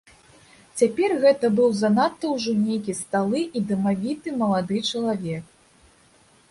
Цяпер гэта быў занадта ўжо нейкі сталы і дамавіты малады чалавек.